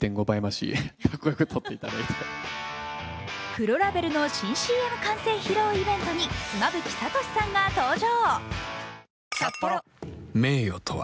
黒ラベルの新ＣＭ完成披露イベントに妻夫木聡さんが登場。